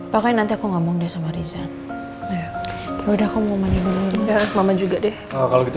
pokoknya nanti aku ngomong deh sama riza udah aku mau mandi dulu udah mama juga deh kalau gitu